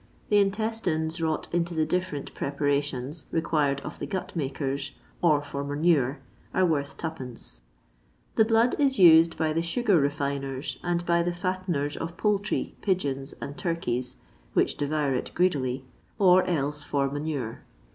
The intestines wrought into the ditTerent preparations required of the gut makers, or for manure, are worth 2d, The blood is used by the sugar refiners, and by the fatteners of poultry, pigeons, and turkeys (which devour it greedily), or else for manure.